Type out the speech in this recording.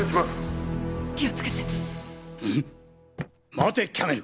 待てキャメル！！